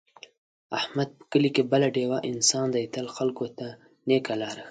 احمد په کلي کې بله ډېوه انسان دی، تل خلکو ته نېکه لاره ښي.